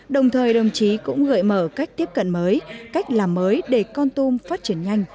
đồng thời đồng chí cũng gợi mở cách tiếp cận mới cách làm mới để con tum phát triển nhanh